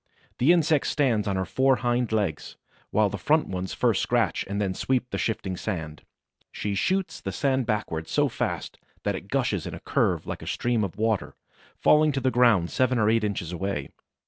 The insect stands on her four hind legs, while the front ones first scratch and then sweep the shifting sand. She shoots the sand backwards so fast that it gushes in a curve like a stream of water, falling to the ground seven or eight inches away.